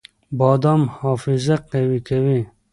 بادام حافظه قوي کوي.